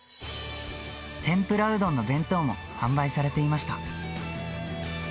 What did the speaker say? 天ぷらうどんの弁当も販売されていました。